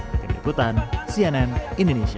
kediputan cnn indonesia